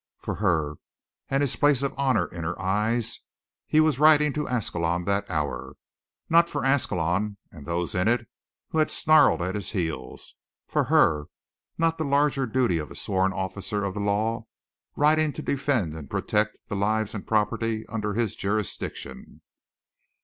For her, and his place of honor in her eyes, he was riding to Ascalon that hour. Not for Ascalon, and those in it who had snarled at his heels. For her, not the larger duty of a sworn officer of the law riding to defend and protect the lives and property under his jurisdiction.